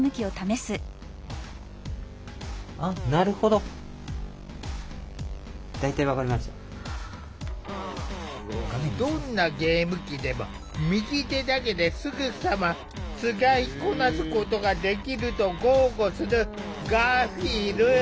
どんなゲーム機でも右手だけですぐさま使いこなすことができると豪語するガーフィール。